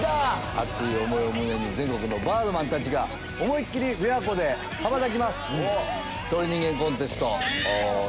熱い思いを胸に全国のバードマンたちが思いっ切り琵琶湖で羽ばたきます。